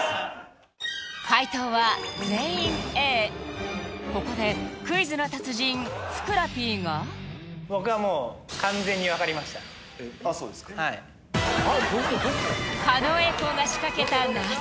解答は全員Ａここでクイズの達人ふくらＰが僕はもうあっそうですかはい狩野英孝が仕掛けた謎